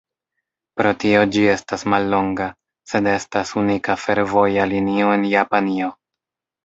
Pro tio ĝi estas mallonga, sed estas unika fervoja linio en Japanio.